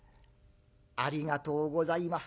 「ありがとうございます。